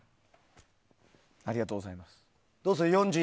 ありがとうございます。